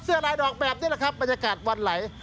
เสื้อลายดอกแบบนี้นะครับบรรยากาศวันไหล